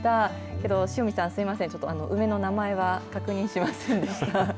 けど、塩見さん、すみません、ちょっと梅の名前は確認しませんでした。